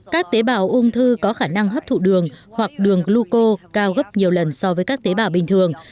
các tế bào ung thư có khả năng hấp thụ đường hoặc đường gluco cao gấp nhiều lần so với các tế bào bình thường